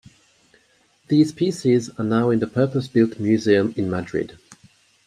These pieces are now in the purpose-built museum in Madrid.